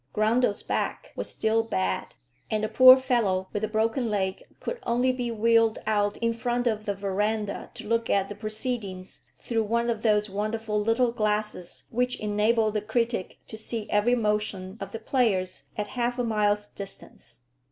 Grundle's back was still bad, and the poor fellow with the broken leg could only be wheeled out in front of the verandah to look at the proceedings through one of those wonderful little glasses which enable the critic to see every motion of the players at half a mile's distance.